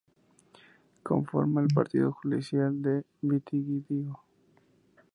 Conforma el partido judicial de Vitigudino.